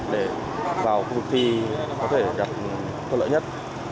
để vào khu vực thi có thể đạt thuận lợi nhất